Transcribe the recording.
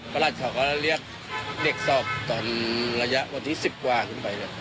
ประหลักศอกก็เรียกเด็กศอกตอนระยะวันที่๑๐กว่าขึ้นไปเลย